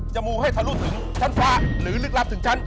มูให้ทะลุถึงชั้นฟ้าหรือลึกลับถึงชั้น